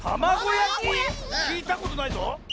きいたことないぞ！